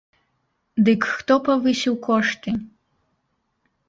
Дык хто павысіў кошты?